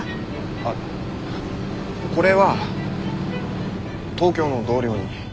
あっこれは東京の同僚に。